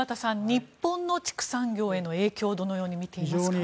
日本の畜産業への影響はどう見ていますか？